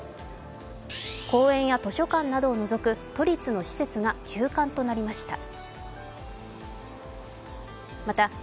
公園や図書館などを除く都立の施設が休館となりました。